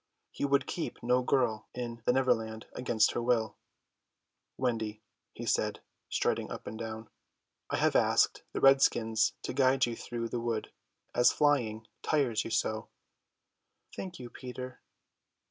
He would keep no girl in the Neverland against her will. "Wendy," he said, striding up and down, "I have asked the redskins to guide you through the wood, as flying tires you so." "Thank you, Peter."